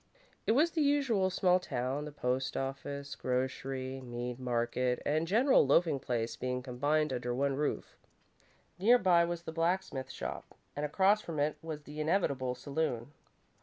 It was the usual small town, the post office, grocery, meat market, and general loafing place being combined under one roof. Near by was the blacksmith shop, and across from it was the inevitable saloon.